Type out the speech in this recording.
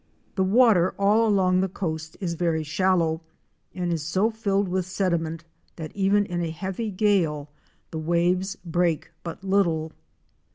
The water all along the coast is very shallow and is so filled with sediment that even in a heavy gale the waves break but little.